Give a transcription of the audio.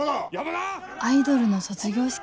アイドルの卒業式？